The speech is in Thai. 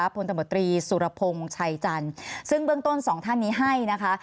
พลตมตรีสุรพงศ์ชัยจันทร์ซึ่งเบื้องต้นสองท่านนี้ให้นะคะ